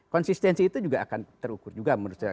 konsistensi itu juga akan terukur juga menurut saya